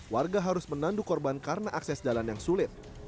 warga harus menandu korban karena akses jalan yang sulit